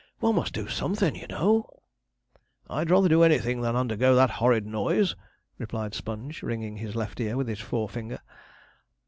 One must do somethin', you know.' 'I'd rather do anything than undergo that horrid noise,' replied Sponge, ringing his left ear with his forefinger.